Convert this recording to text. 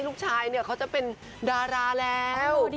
ลูกชายเนี่ยเขาจะเป็นดาราแล้ว